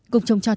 cùng trồng trọt